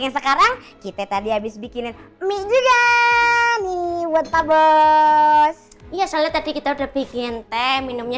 sekarang kita tadi habis bikin mie juga nih buat pabos iya soalnya tadi kita udah bikin teh minumnya